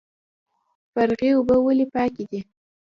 قرغې اوبه ولې پاکې دي؟